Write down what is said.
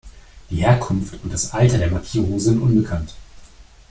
Die Herkunft und das Alter der Markierungen sind unbekannt.